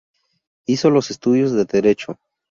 Hizo los estudios de derecho.